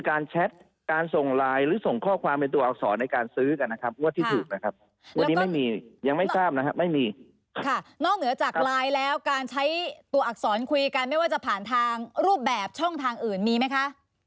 การใช้ตัวอักษรคุยกันไม่ว่าจะผ่านทางรูปแบบช่องทางอื่นมีไหมคะ